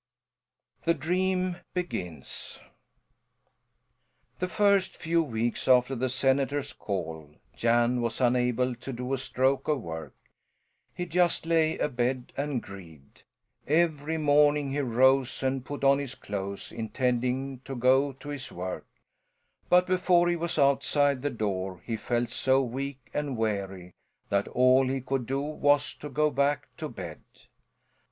THE DREAM BEGINS The first few weeks after the senator's call Jan was unable to do a stroke of work: he just lay abed and grieved. Every morning he rose and put on his clothes, intending to go to his work; but before he was outside the door he felt so weak and weary that all he could do was to go back to bed.